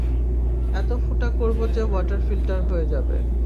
এত ফুটা করবো যে ওয়াটার ফিল্টার হয়ে যাবে।